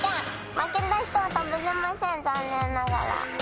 負けた人は食べれません残念ながら。